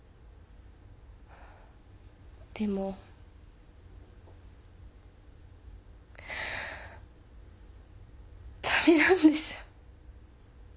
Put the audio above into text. でも駄目なんです。